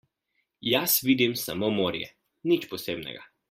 Jaz vidim samo morje, nič posebnega.